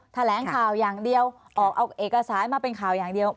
แถลงข่าวอย่างเดียวออกเอาเอกสารมาเป็นข่าวอย่างเดียว